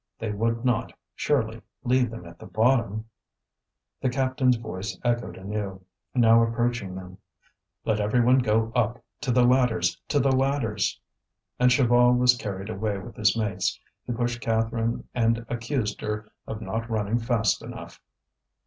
They would not, surely, leave them at the bottom. The captain's voice echoed anew, now approaching them: "Let every one go up! To the ladders! to the ladders!" And Chaval was carried away with his mates. He pushed Catherine and accused her of not running fast enough.